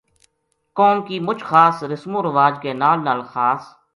قوم کی مُچ خاص رسم ورواج کے نال نال خاص